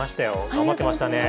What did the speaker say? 頑張ってましたねえ。